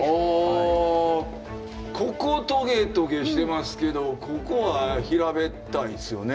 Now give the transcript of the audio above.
ここトゲトゲしてますけどここは平べったいですよね。